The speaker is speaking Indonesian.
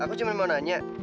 aku cuman mau nanya